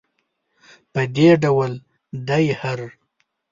په دې ډول دی هر.